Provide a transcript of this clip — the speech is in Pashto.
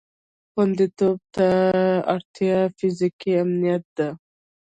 خوندیتوب ته اړتیا فیزیکي امنیت ده.